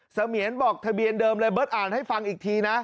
เสมียนบอกทะเบียนเดิมเลยเบิร์ตอ่านให้ฟังอีกทีนะ